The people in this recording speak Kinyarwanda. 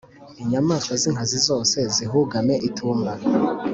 inyamaswa z’inkazi zose, zihugame itumba.»